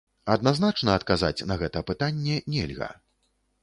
Адназначна адказаць на гэта пытанне нельга.